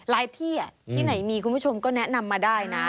ที่ที่ไหนมีคุณผู้ชมก็แนะนำมาได้นะ